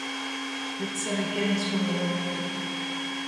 It set a Guinness World record.